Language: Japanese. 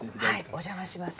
お邪魔します。